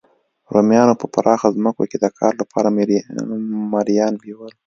رومیانو په پراخو ځمکو کې د کار لپاره مریان بیول